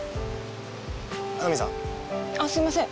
ナミさん？あっすいません。